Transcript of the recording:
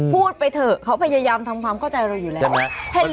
พูดไปเถอะเขาพยายามทำความเข้าใจเราอยู่แล้ว